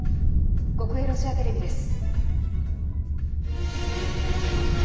国営ロシアテレビです。